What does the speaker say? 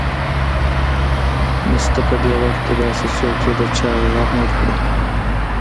نشته په دې وخت کې داسې څوک چې د چا غم مړ کړي